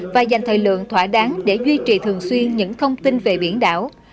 và dành thời lượng thỏa đáng để duy trì thường xuyên những thông tin về biển đảo